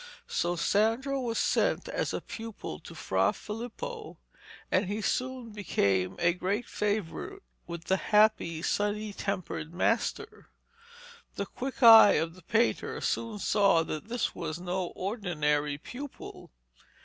So Sandro was sent as a pupil to Fra Filippo, and he soon became a great favourite with the happy, sunny tempered master. The quick eye of the painter soon saw that this was no ordinary pupil.